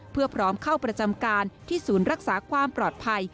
เพื่อพร้อมเข้าประจำการที่ศูนย์รักษาความปลอดภัย